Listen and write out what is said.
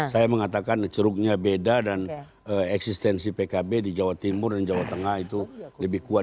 saya mengatakan ceruknya beda dan eksistensi pkb di jawa timur dan jawa tengah itu lebih kuat